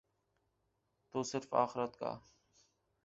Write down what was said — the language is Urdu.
تو صرف آخرت کا۔